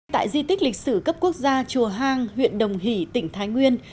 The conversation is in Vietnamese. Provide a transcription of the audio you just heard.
tại di tích lịch sử cấp quốc gia chùa hang huyện đồng hỷ tỉnh thái nguyên